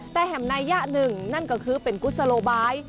แต่แห่งนัยยะหนึ่งนั่นก็คือเป็นกุศโลบาย